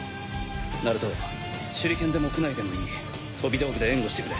ナルト手裏剣でもクナイでもいい飛び道具で援護してくれ。